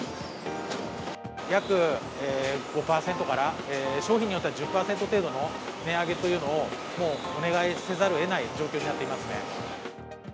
約５％から、商品によっては１０％程度の値上げというのを、もうお願いせざるをえない状況になっていますね。